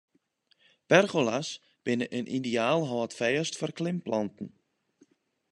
Pergola's binne in ideaal hâldfêst foar klimplanten.